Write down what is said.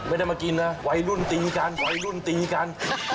ไม่ได้มากินนะวัยรุ่นตีกัน